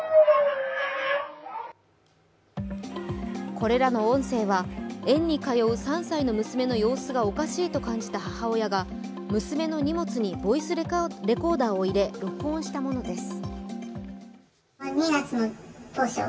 これらの音声は園に通う３歳の娘の様子がおかしいと感じた母親が娘の荷物にボイスレコーダーを入れ、録音したものです。